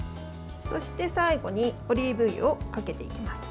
そして、最後にオリーブ油をかけていきます。